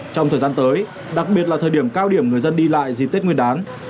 trong thời gian tới đặc biệt là thời điểm cao điểm người dân đi lại dịp tết nguyên đán